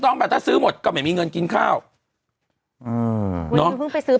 เป็นการกระตุ้นการไหลเวียนของเลือด